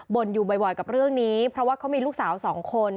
่นอยู่บ่อยกับเรื่องนี้เพราะว่าเขามีลูกสาวสองคน